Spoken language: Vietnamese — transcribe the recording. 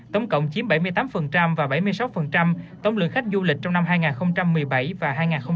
tổng cộng chiếm bảy mươi tám và bảy mươi sáu tổng lượng khách du lịch trong năm hai nghìn một mươi bảy và hai nghìn một mươi tám